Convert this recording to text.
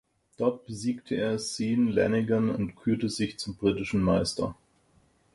Dort besiegte er Sean Lanigan und kürte sich zum britischen Meister.